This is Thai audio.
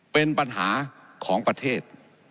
เป็นปัญหาของประเทศ